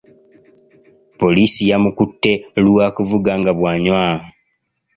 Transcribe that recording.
Poliisi yamukutte lwa kuvuga nga bw’anywa.